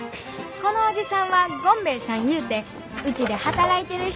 このおじさんはゴンベエさんいうてウチで働いてる人や。